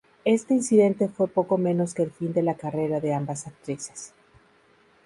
Este incidente fue poco menos que el fin de la carrera de ambas actrices.